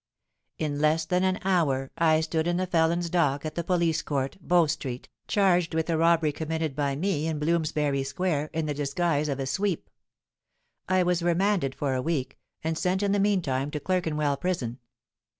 "In less than an hour I stood in the felons' dock at the police court, Bow Street, charged with a robbery committed by me in Bloomsbury Square, in the disguise of a sweep. I was remanded for a week, and sent in the meantime to Clerkenwell Prison.